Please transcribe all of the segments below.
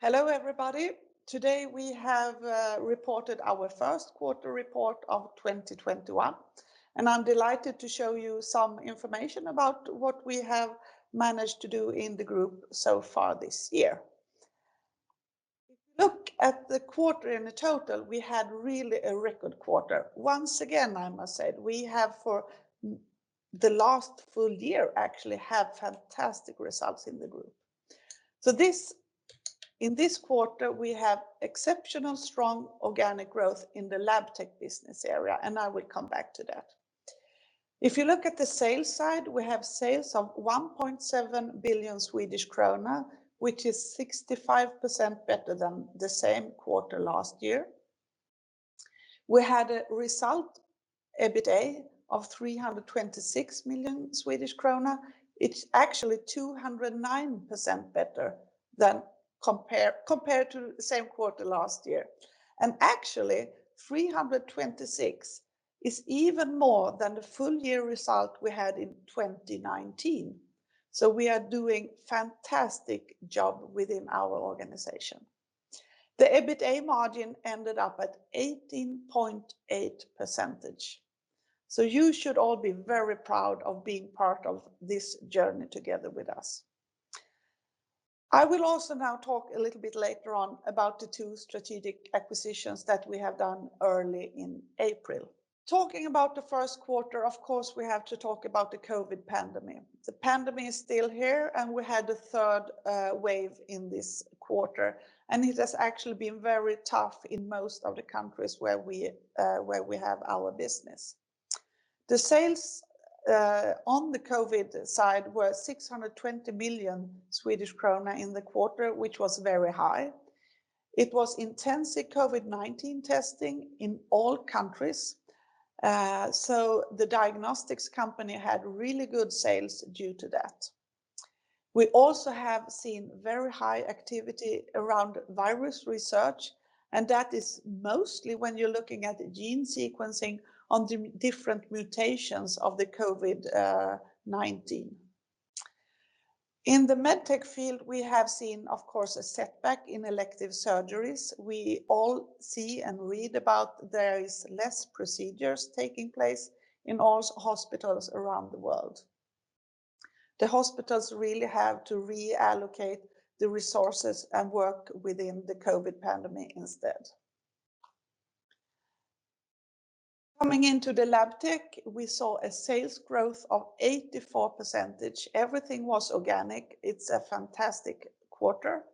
Hello, everybody. Today we have reported our first quarter report of 2021, and I'm delighted to show you some information about what we have managed to do in the group so far this year. Look at the quarter in the total, we had really a record quarter. Once again, I must say, we have for the last full year actually had fantastic results in the group. In this quarter, we have exceptional strong organic growth in the Labtech business area, and I will come back to that. If you look at the sales side, we have sales of 1.7 billion Swedish krona, which is 65% better than the same quarter last year. We had a result EBITA of SEK 326 million. It's actually 209% better compared to the same quarter last year. Actually, 326 is even more than the full year result we had in 2019. We are doing fantastic job within our organization. The EBITA margin ended up at 18.8%. You should all be very proud of being part of this journey together with us. I will also now talk a little bit later on about the two strategic acquisitions that we have done early in April. Talking about the first quarter, of course, we have to talk about the COVID-19 pandemic. The pandemic is still here, and we had a third wave in this quarter, and it has actually been very tough in most of the countries where we have our business. The sales on the COVID-19 side were 620 million Swedish krona in the quarter, which was very high. It was intensive COVID-19 testing in all countries. The diagnostics company had really good sales due to that. We also have seen very high activity around virus research, that is mostly when you're looking at the gene sequencing on the different mutations of the COVID-19. In the Medtech field, we have seen, of course, a setback in elective surgeries. We all see and read about there is less procedures taking place in all hospitals around the world. The hospitals really have to reallocate the resources and work within the COVID pandemic instead. Coming into the Labtech, we saw a sales growth of 84%. Everything was organic. It's a fantastic quarter.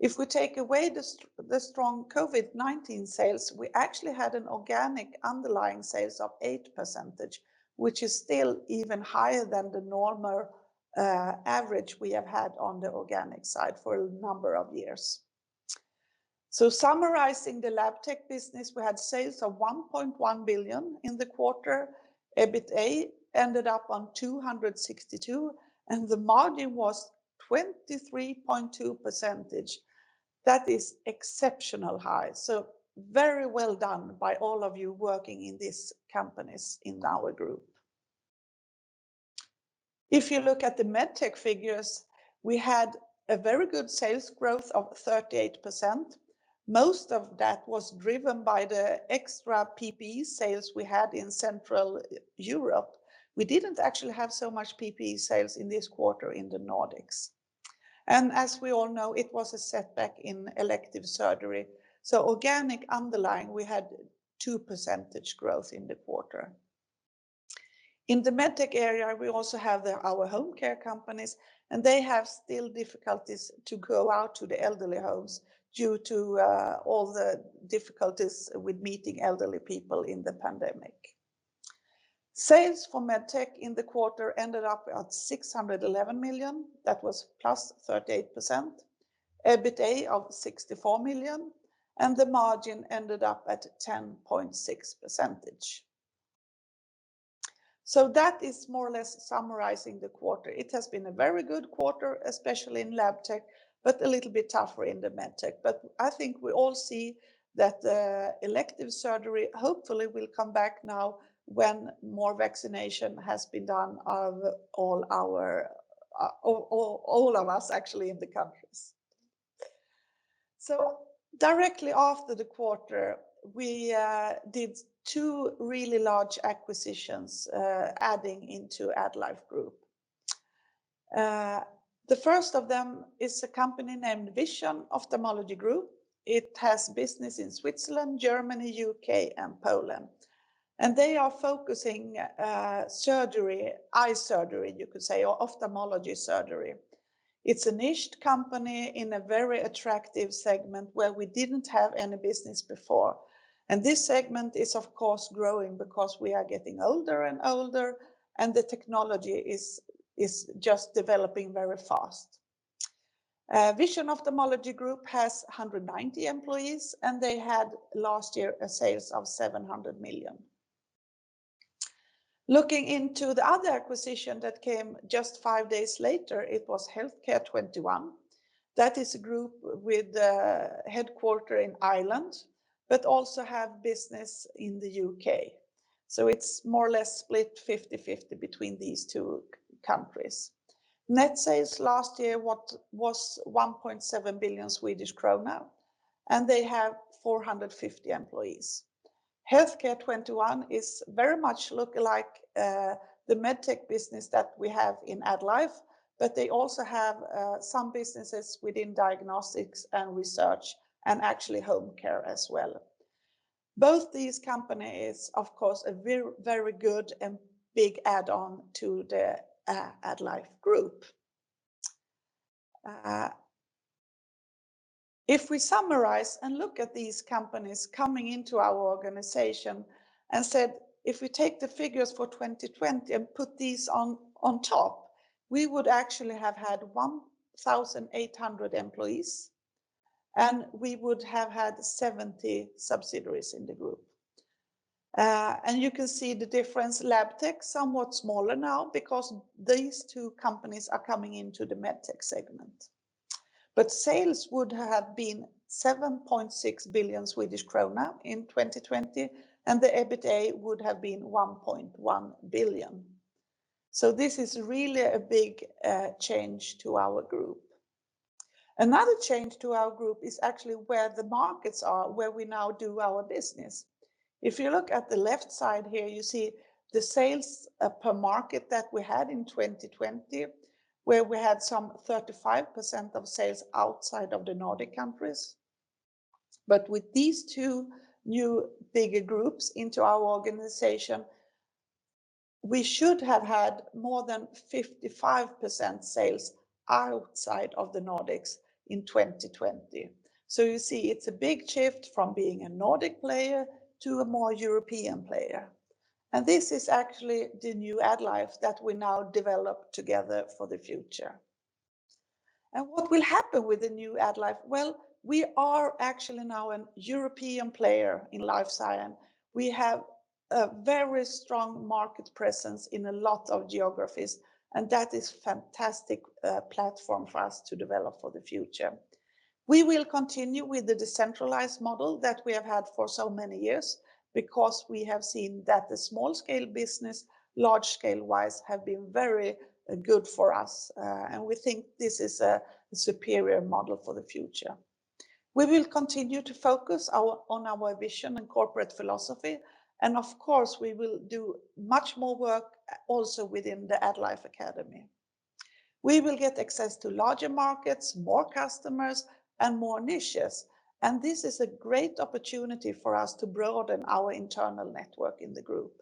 If we take away the strong COVID-19 sales, we actually had an organic underlying sales of eight%, which is still even higher than the normal average we have had on the organic side for a number of years. Summarizing the Labtech business, we had sales of 1.1 billion in the quarter. EBITA ended up on 262, and the margin was 23.2%. That is exceptional high. Very well done by all of you working in these companies in our group. If you look at the Medtech figures, we had a very good sales growth of 38%. Most of that was driven by the extra PPE sales we had in Central Europe. We didn't actually have so much PPE sales in this quarter in the Nordics. As we all know, it was a setback in elective surgery. Organic underlying, we had 2% growth in the quarter. In the Medtech area, we also have our home care companies, and they have still difficulties to go out to the elderly homes due to all the difficulties with meeting elderly people in the pandemic. Sales for Medtech in the quarter ended up at 611 million. That was +38%. EBITA of 64 million, the margin ended up at 10.6%. That is more or less summarizing the quarter. It has been a very good quarter, especially in Labtech, but a little bit tougher in the Medtech. I think we all see that the elective surgery hopefully will come back now when more vaccination has been done of all of us actually in the countries. Directly after the quarter, we did two really large acquisitions, adding into AddLife Group. The first of them is a company named Vision Ophthalmology Group. It has business in Switzerland, Germany, U.K., and Poland. They are focusing surgery, eye surgery, you could say, or ophthalmology surgery. It's a niched company in a very attractive segment where we didn't have any business before. This segment is, of course, growing because we are getting older and older, and the technology is just developing very fast. Vision Ophthalmology Group has 190 employees. They had last year a sales of 700 million. Looking into the other acquisition that came just five days later, it was Healthcare 21. That is a group with a headquarter in Ireland, but also have business in the U.K. It's more or less split 50/50 between these two countries. Net sales last year was 1.7 billion Swedish krona. They have 450 employees. Healthcare 21 very much look like the Medtech business that we have in AddLife. They also have some businesses within diagnostics and research, and actually home care as well. Both these companies, of course, a very good and big add-on to the AddLife group. If we summarize and look at these companies coming into our organization and said, if we take the figures for 2020 and put these on top, we would actually have had 1,800 employees, and we would have had 70 subsidiaries in the group. You can see the difference, Labtech, somewhat smaller now because these two companies are coming into the Medtech segment. Sales would have been 7.6 billion Swedish krona in 2020, and the EBITA would have been 1.1 billion. This is really a big change to our group. Another change to our group is actually where the markets are, where we now do our business. If you look at the left side here, you see the sales per market that we had in 2020, where we had some 35% of sales outside of the Nordic countries. With these two new bigger groups into our organization, we should have had more than 55% sales outside of the Nordics in 2020. You see, it's a big shift from being a Nordic player to a more European player. This is actually the new AddLife that we now develop together for the future. What will happen with the new AddLife? Well, we are actually now a European player in life science. We have a very strong market presence in a lot of geographies, and that is a fantastic platform for us to develop for the future. We will continue with the decentralized model that we have had for so many years because we have seen that the small-scale business, large-scale wise, have been very good for us. We think this is a superior model for the future. We will continue to focus on our vision and corporate philosophy. Of course, we will do much more work also within the AddLife Academy. We will get access to larger markets, more customers, and more niches. This is a great opportunity for us to broaden our internal network in the group.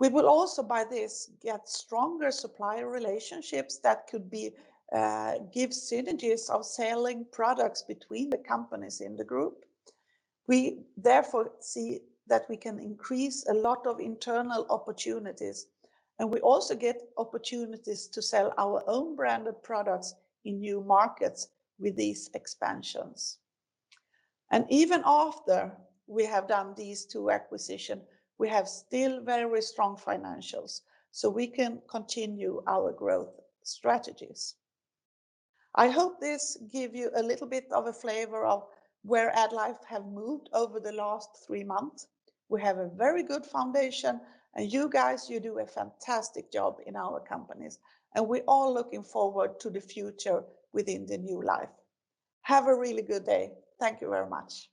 We will also, by this, get stronger supplier relationships that could give synergies of selling products between the companies in the group. We therefore see that we can increase a lot of internal opportunities, and we also get opportunities to sell our own branded products in new markets with these expansions. Even after we have done these two acquisitions, we have still very strong financials, so we can continue our growth strategies. I hope this gives you a little bit of a flavor of where AddLife have moved over the last three months. We have a very good foundation, and you guys, you do a fantastic job in our companies. We're all looking forward to the future within the AddLife. Have a really good day. Thank you very much.